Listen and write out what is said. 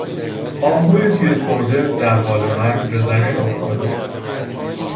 آهوی تیر خورده در حال مرگ به زمین افتاده بود.